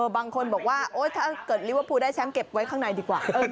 บางคนบอกว่าโอ๊ยถ้าเกิดลิเวอร์พูลได้แชมป์เก็บไว้ข้างในดีกว่า